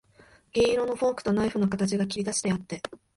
銀色のフォークとナイフの形が切りだしてあって、